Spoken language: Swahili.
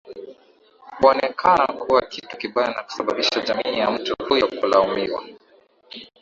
huonekana kuwa kitu kibaya na kusababisha jamii ya mtu huyo kulaumiwa